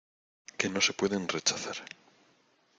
que no se pueden rechazar.